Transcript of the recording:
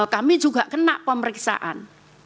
kami juga kena pemeriksaan